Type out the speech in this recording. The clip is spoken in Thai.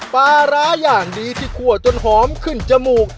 ปลาร้าอย่างดีที่คั่วจนหอมขึ้นจมูก